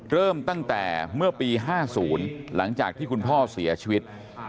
เริ่มตั้งแต่เมื่อปี๕๐หลังจากที่คุณพ่อเสียชีวิต